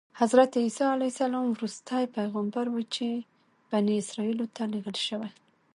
حضرت عیسی علیه السلام وروستی پیغمبر و چې بني اسرایلو ته لېږل شوی.